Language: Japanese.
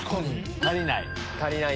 足りない。